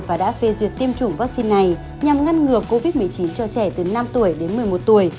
và đã phê duyệt tiêm chủng vaccine này nhằm ngăn ngừa covid một mươi chín cho trẻ từ năm tuổi đến một mươi một tuổi